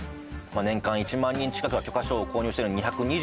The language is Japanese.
年間１万人ちかくが許可証を購入してるので２２０